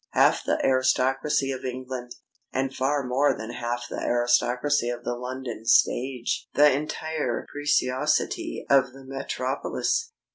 Half the aristocracy of England, and far more than half the aristocracy of the London stage! The entire preciosity of the metropolis!